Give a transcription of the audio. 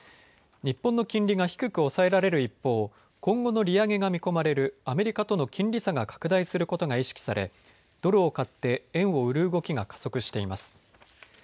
日本の金利が低く抑えられる一方、今後の利上げが見込まれるアメリカとの金利差が拡大することが意識されドルを買って円を売る動きが加速しています。